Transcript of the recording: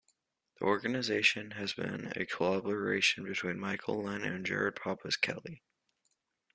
The organisation has been a collaboration between Michael Lent and Jared Pappas-Kelley.